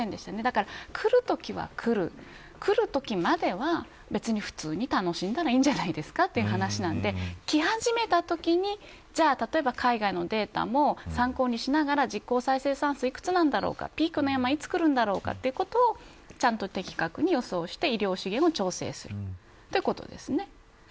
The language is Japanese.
だから、くるときはくる来るときまでは別に普通に楽しんだらいいんじゃないですかという話なのでき始めたときにじゃあ例えば海外のデータも参考にしながら実効再生産数、幾つなんだろうかピークの山は、いつくるんだろうかということを的確に予想して医療資源を調整するということですね。